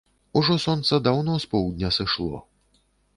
Ужо сонца даўно з поўдня сышло.